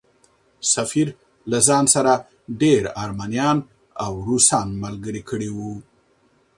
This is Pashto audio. سفیر له ځان سره ډېر ارمنیان او روسان ملګري کړي وو.